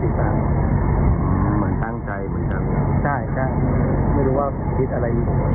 ผิดเหมือนแซงใจเยอะ